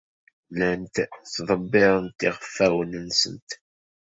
Llant ttḍebbirent iɣfawen-nsent.